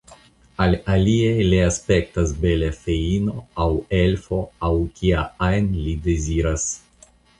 Al aliaj li aspektas bela feino, aŭ elfo, aŭ kia ajn li deziras.